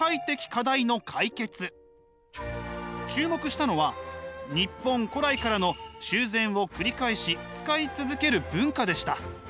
注目したのは日本古来からの修繕を繰り返し使い続ける文化でした。